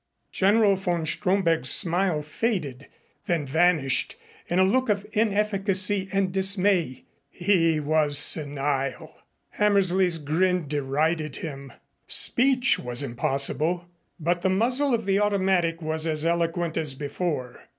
General von Stromberg's smile faded then vanished in a look of inefficacy and dismay. He was senile. Hammersley's grin derided him. Speech was impossible, but the muzzle of the automatic was as eloquent as before.